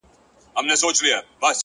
کومه ورځ چي تاته زه ښېرا کوم؛